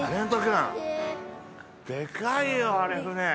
◆でかいよ、あれ、船。